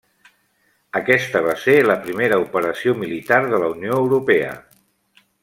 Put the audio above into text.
Aquesta va ser la primera operació militar de la Unió Europea.